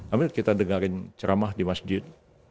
ambil kita dengerin ceramah di masjid